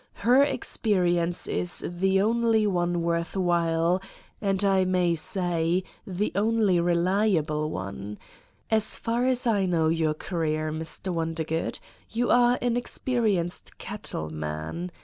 Her experience is the only one worth while, and, I may say, the only reliable one. As far as I know your career, Mr. Wonder good, you are an experienced cattle man.